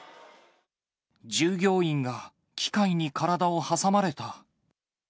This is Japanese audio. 従業員が機械に体を挟まれた。